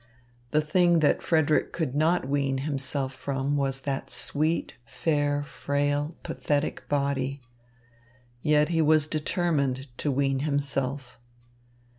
The thing that Frederick could not wean himself from was that sweet, fair, frail, pathetic body. Yet he was determined to wean himself.